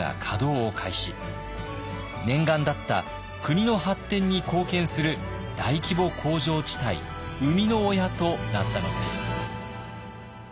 念願だった国の発展に貢献する大規模工場地帯生みの親となったのです。